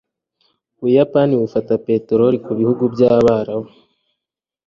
Ubuyapani bufata peterori ku bihugu by'Abarabu